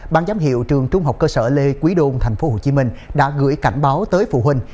ban giám hiệu trường trung học cơ sở lê quý đôn tp hcm đã gửi cảnh báo tới phụ huynh